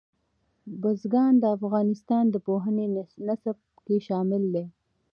بزګان د افغانستان د پوهنې نصاب کې شامل دي.